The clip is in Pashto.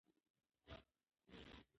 سياسي پرېکړې د فشار لاندې نيول کېدې.